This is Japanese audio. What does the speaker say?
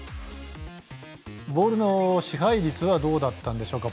ボールの支配率はどうだったんでしょうか。